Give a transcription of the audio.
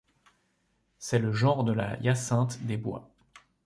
C'est le genre de la jacinthe des bois.